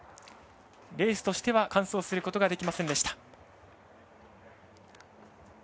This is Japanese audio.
レースとしては完走することができませんでした。